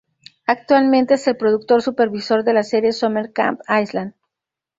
Actualmente es el productor supervisor de la serie "Summer Camp Island".